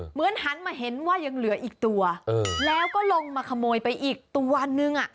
เหมือนหันมาเห็นว่ายังเหลืออีกตัวแล้วก็ลงมาขโมยไปอีกตัวนึง